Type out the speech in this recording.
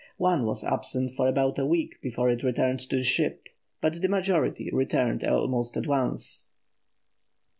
One was absent for about a week before it returned to the ship, but the majority returned almost at once.